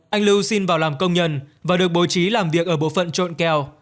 anh lưu xin vào làm công nhân và được bố trí làm việc ở bộ phận trộn keo